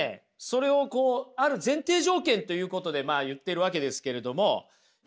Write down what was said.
それをある前提条件ということでまあ言ってるわけですけれども。